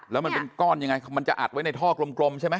แล้วมันเป็นก้อนยังไงมันจะอัดไว้ในท่อกลมใช่ไหม